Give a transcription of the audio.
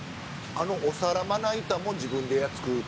「あのお皿まな板も自分で作ってるし？」